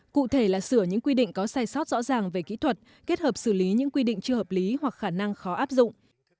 cụ thể là sửa những quy định có sai sót rõ ràng về kỹ thuật kết hợp xử lý những quy định chưa hợp lý hoặc khả năng khó áp dụng